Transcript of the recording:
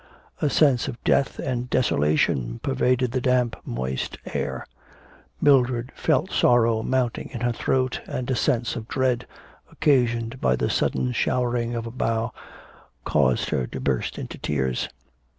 A sense of death and desolation pervaded the damp, moist air; Mildred felt sorrow mounting in her throat, and a sense of dread, occasioned by the sudden showering of a bough, caused her to burst into tears.